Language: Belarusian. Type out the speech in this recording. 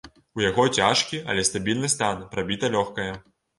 У яго цяжкі, але стабільны стан, прабіта лёгкае.